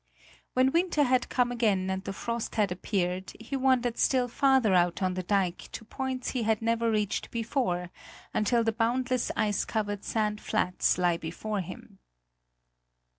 When winter had come again and the frost had appeared, he wandered still farther out on the dike to points he had never reached before, until the boundless ice covered sand flats lay before him.